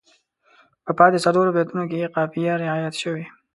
په پاتې څلورو بیتونو کې یې قافیه رعایت شوې.